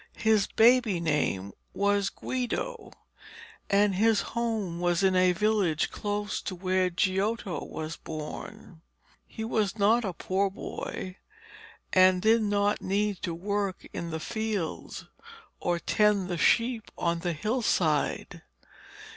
His baby name was Guido, and his home was in a village close to where Giotto was born. He was not a poor boy, and did not need to work in the fields or tend the sheep on the hillside.